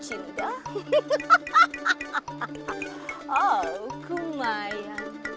kau pasti merindukan aku tentunya